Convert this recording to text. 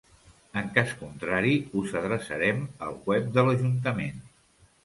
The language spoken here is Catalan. En cas contrari, us adreçarem al web de l'ajuntament.